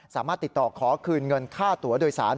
สามารถติดต่อขอคืนเงินค่าตัวโดยสาร